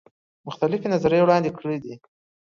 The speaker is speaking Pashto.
مختلفي نظریې وړاندي کړي دي.